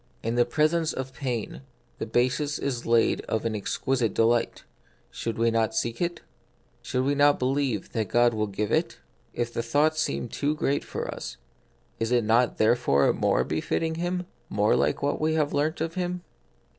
In the presence of pain the basis is laid of an exquisite delight ; should we not seek it ? Should we not believe that God will give it ? If the thought seems too great for us, is it not therefore more befitting Him, more like what we have learnt of Him